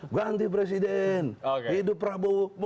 ganti presiden hidup prabowo